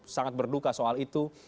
sangat berduka soal itu